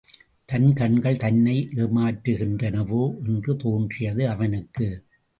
தன் கண்கள் தன்னை ஏமாற்றுகின்றனவோ என்று தோன்றியது அவனுக்கு.